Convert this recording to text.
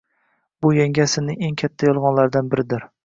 Bu yangi asrning eng katta yolg'onlaridan biridir